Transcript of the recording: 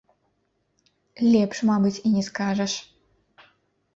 Лепш, мабыць, і не скажаш.